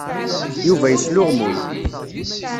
Yuba yesluɣmuy.